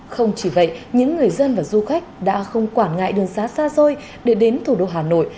không chỉ vậy những người dân và du khách đã không quản ngại đường xá xa xôi để đến thủ đô hà nội